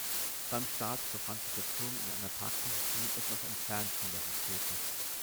Beim Start befand sich der Turm in einer Parkposition etwas entfernt von der Rakete.